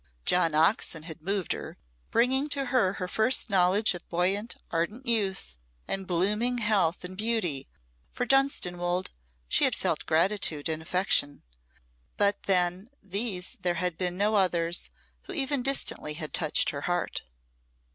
John Oxon had moved her, bringing to her her first knowledge of buoyant, ardent youth, and blooming strength and beauty; for Dunstanwolde she had felt gratitude and affection; but than these there had been no others who even distantly had touched her heart.